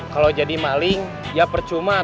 kalau jadi maling ya percuma